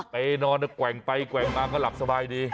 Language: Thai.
ไปนอนแกว่งไปแกว่งมาก็หลับสบายดี